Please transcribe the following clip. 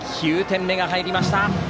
９点目が入りました。